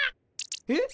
えっ。